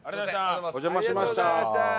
お邪魔しました。